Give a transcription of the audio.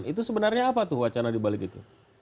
itu sebenarnya apa tuh wacana di balik itu